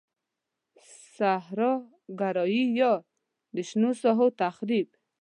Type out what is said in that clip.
صحرا ګرایی یا د شنو ساحو تخریب.